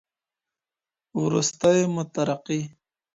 وروستي مترقي